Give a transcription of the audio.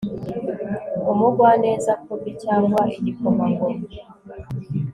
umugwaneza, kobi cyangwa igikomangoma